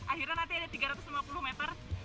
akhirnya nanti ada tiga ratus lima puluh meter